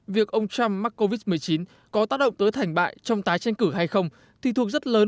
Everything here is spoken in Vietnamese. việc ông trump mắc covid một mươi chín có tác động tới thành bại trong tái tranh cử hay không thì thuộc rất lớn